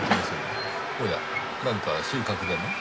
おや何か収穫でも？